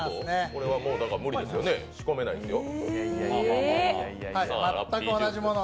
これは無理ですね、仕込めないですよ。